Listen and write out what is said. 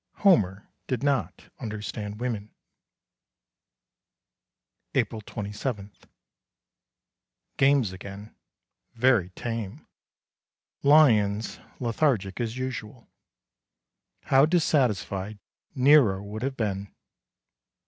Homer did not understand women. April 27. Games again. Very tame. Lions lethargic as usual. How dissatisfied Nero would have been!